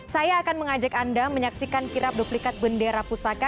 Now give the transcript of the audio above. saya akan mengajak anda menyaksikan kirap duplikat bendera pusaka